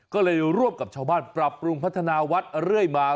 ก็เลยร่วมกับชาวบ้านปรับปรุงพัฒนาวัดเรื่อยมา